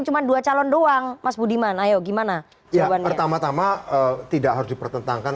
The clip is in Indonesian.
cuma dua calon doang mas budiman ayo gimana jawaban pertama tama tidak harus dipertentangkan